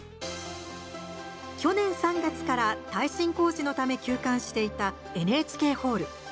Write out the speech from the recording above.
去年３月から耐震工事のため休館していたＮＨＫホール。